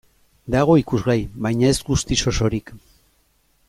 Dago ikusgai, baina ez guztiz osorik.